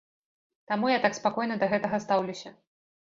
Таму я так спакойна да гэтага стаўлюся.